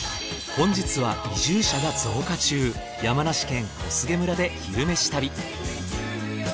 本日は移住者が増加中山梨県小菅村で昼めし旅。